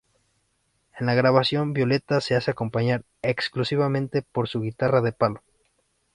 En la grabación, Violeta se hace acompañar exclusivamente por su guitarra "de palo".